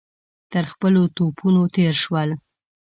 تر خپلو توپونو تېر شول.